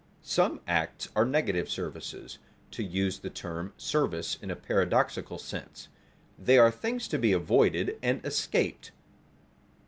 Some acts are negative services, to use the term service in a paradoxical sense; they are things to be avoided and escaped.